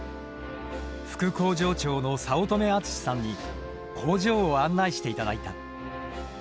副工場長の五月女厚さんに工場を案内して頂いた。